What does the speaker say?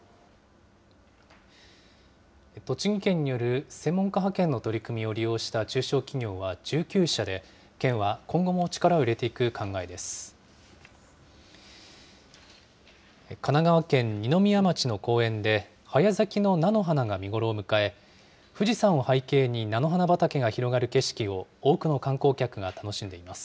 栃木県による専門家派遣の取り組みを利用した中小企業は１９社で、県は今後も力を入れていく考えです。